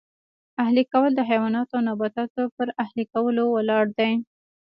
اهلي کول د حیواناتو او نباتاتو پر اهلي کولو ولاړ دی